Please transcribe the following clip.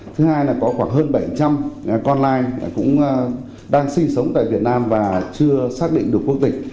thứ hai là có khoảng hơn bảy trăm linh online cũng đang sinh sống tại việt nam và chưa xác định được quốc tịch